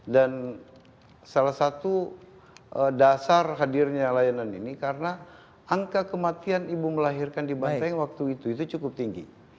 dan salah satu dasar hadirnya layanan ini karena angka kematian ibu melahirkan di banteng waktu itu cukup tinggi